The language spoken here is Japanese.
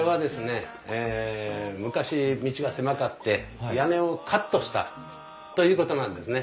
昔道が狭かって屋根をカットしたということなんですね。